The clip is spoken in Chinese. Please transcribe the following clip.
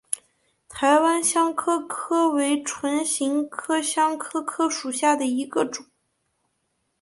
台湾香科科为唇形科香科科属下的一个种。